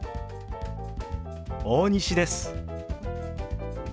大西です。